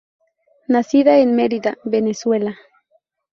Nacida en Merida, Venezuela.